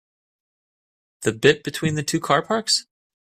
The bit between the two car parks?